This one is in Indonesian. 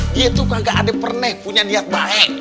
dia tuh gak ada pernah punya niat baik